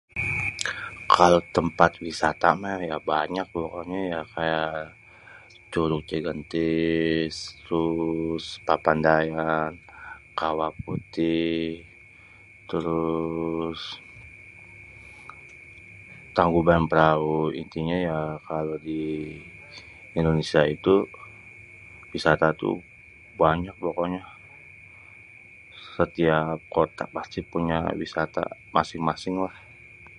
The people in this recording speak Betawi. Kalo tempat wisata mah ya banyak. Pokoknya ya kayak Curug Cigentis, terus Papandayan, Kawah Putih, terus Tangkuban Perahu. Intinya ya kalo di Indonesia itu wisata tuh banyak pokoknya. Setiap kota pasti punya wisata masing-masinglah.